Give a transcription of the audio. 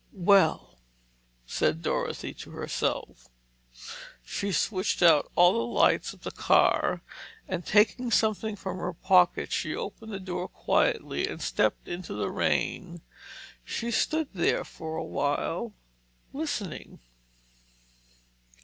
"Well!" said Dorothy to herself. She switched out all the lights of the car, and taking something from her pocket, she opened the door quietly and stepped into the rain. She stood there for a while, listening.